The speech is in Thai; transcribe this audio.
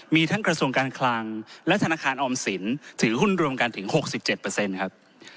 มีทั้งกระทรวงการคลังและธนาคารออมสินถือหุ้นรวมกันถึง๖๗ครับ